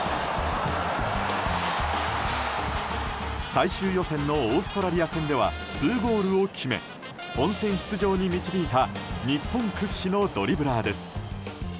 最終予選のオーストラリア戦では２ゴールを決め本選出場に導いた日本屈指のドリブラーです。